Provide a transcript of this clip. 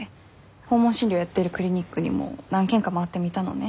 訪問診療やってるクリニックにも何軒か回ってみたのね。